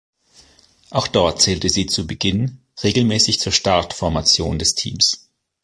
Auch dort zählte sie zu Beginn regelmäßig zur Startformation des Teams.